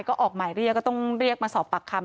ก็ออกหมายเรียกก็ต้องเรียกมาสอบปากคำ